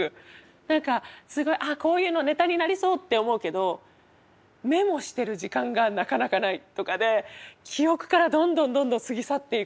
何かあっこういうのネタになりそうって思うけどメモしてる時間がなかなかないとかで記憶からどんどんどんどん過ぎ去っていく。